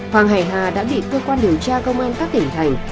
hoàng hải hà đã bị cơ quan điều tra công an các tỉnh thành